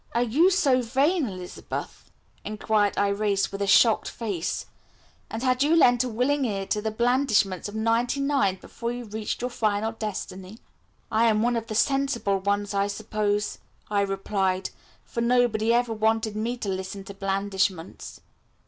"Are you so vain, Elizabeth?" inquired Irais with a shocked face, "and had you lent a willing ear to the blandishments of ninety nine before you reached your final destiny?" "I am one of the sensible ones, I suppose," I replied, "for nobody ever wanted me to listen to blandishments."